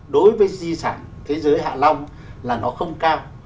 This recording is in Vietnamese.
đối với di sản thế giới hạ long là nó không cao